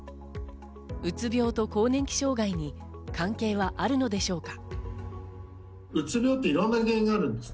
うつ病と更年期障害に関係はあるのでしょうか。